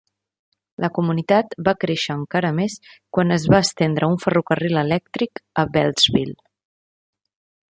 La comunitat va créixer encara més quan es va estendre un ferrocarril elèctric a Beltsville.